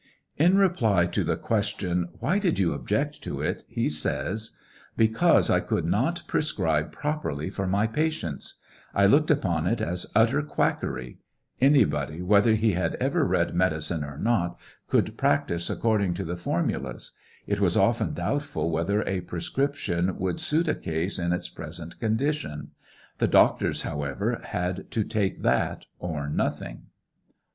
In reply to the question: "Why did you object to it 1" he says : Because I could not prescribe properly for my patients ; I looked upon it as utter quad cry ; anybody, whether he had ever read medicine or not, could practice according to the fo: mulas ; it was often doubtful whether a prescription would suit a case in its present conditioi The doctors, however, had to take that or nothing.